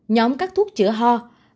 hai nhóm các thuốc chữa ho